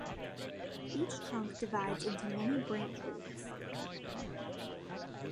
Each trunk divides into many branch routes.